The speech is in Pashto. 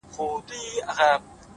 • که د کلماتو له پلوه ورته وکتل سي ,